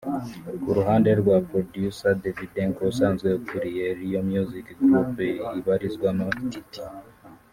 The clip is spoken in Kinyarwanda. Ku ruhande rwa producer Davydenko usanzwe akuriye Real music group ibarizwamo Titie